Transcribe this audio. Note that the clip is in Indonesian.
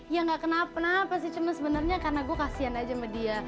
ya gak kenapa kenapa sih cuma sebenarnya karena gue kasian aja sama dia